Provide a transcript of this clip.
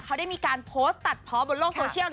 เขาได้มีการโพสต์ตัดเพาะบนโลกโซเชียล